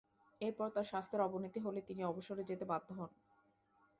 এরপর তার স্বাস্থ্যের অবনতি হলে তিনি অবসরে যেতে বাধ্য হন।